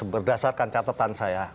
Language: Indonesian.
berdasarkan catatan saya